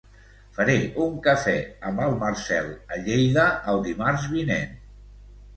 Faré un cafè amb el Marcel a Lleida el dimarts vinent.